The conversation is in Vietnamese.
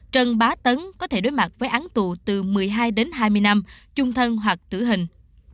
trần bá tấn có thể đối mặt với án tù từ một mươi hai đến hai mươi năm chung thân hoặc tử hình